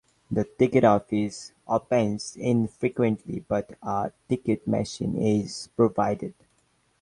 The ticket office opens infrequently, but a ticket machine is provided.